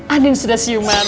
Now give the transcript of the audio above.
andin sudah siuman